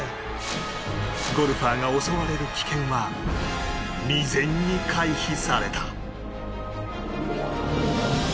ゴルファーが襲われる危険は未然に回避された